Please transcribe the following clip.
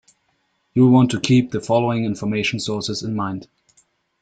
You'll want to keep the following information sources in mind.